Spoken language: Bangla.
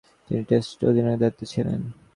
তিনি টেস্টে অধিনায়কের দায়িত্বে ছিলেন।